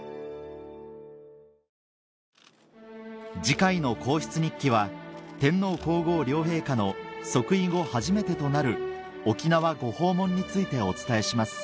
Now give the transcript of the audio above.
次回の『皇室日記』は天皇皇后両陛下の即位後初めてとなる沖縄ご訪問についてお伝えします